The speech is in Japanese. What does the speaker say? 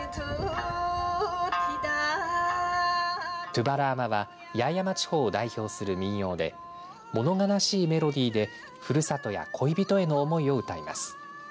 とぅばらーまは八重山地方代を代表する民謡でもの悲しいメロディーでふるさとや恋人への思いを歌います。